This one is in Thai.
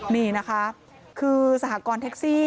มีนะคะคือสหกรท่ะกอลแท็กซี่